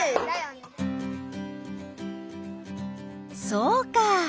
そうか！